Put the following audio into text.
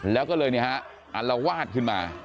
แล้วก็เลยอัลวาดขึ้นมา